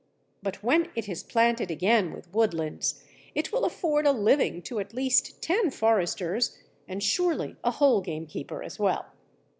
But when it is planted again with woodlands it will afford a living to at least ten foresters, and surely a whole gamekeeper as well.